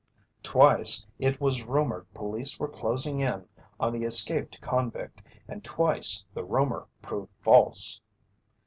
Twice, it was rumored police were closing in on the escaped convict, and twice the rumor proved false.